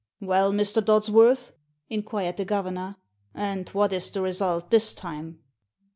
"Well, Mr. Dodsworth," inquired the governor, "and what is the result this time?"